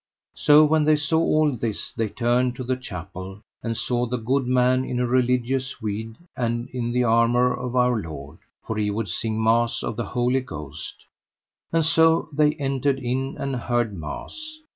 So when they saw all this they turned to the chapel, and saw the good man in a religious weed and in the armour of Our Lord, for he would sing mass of the Holy Ghost; and so they entered in and heard mass.